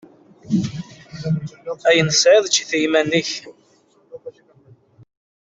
Ayen i tesɛiḍ, eǧǧ-it i yiman-ik.